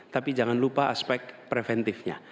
tapi jangan lupa aspek preventifnya